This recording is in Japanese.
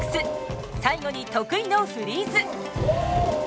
最後に得意のフリーズ。